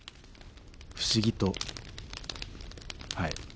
不思議とはい。